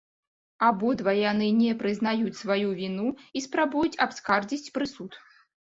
Абодва яны не прызнаюць сваю віну і спрабуюць абскардзіць прысуд.